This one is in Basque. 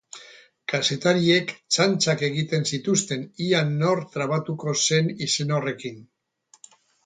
Kazetariek txantxak egiten zituzten ea nor trabatuko zen izen horrekin.